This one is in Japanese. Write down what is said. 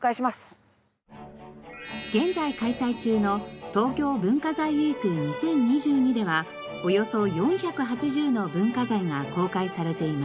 現在開催中の「東京文化財ウィーク２０２２」ではおよそ４８０の文化財が公開されています。